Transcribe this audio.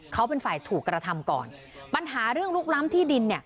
เขาเป็นฝ่ายถูกกระทำก่อนปัญหาเรื่องลุกล้ำที่ดินเนี่ย